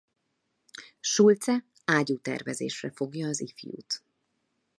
Schultze ágyútervezésre fogja az ifjút.